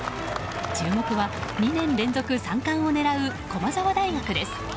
注目は２年連続三冠を狙う駒澤大学です。